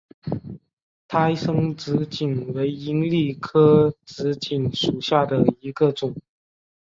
胎生紫堇为罂粟科紫堇属下的一个种。